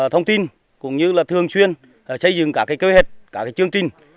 thông tin cũng như là thường xuyên xây dựng cả cái kế hoạch cả cái chương trình